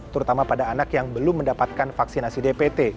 terutama pada anak yang belum mendapatkan vaksinasi dpt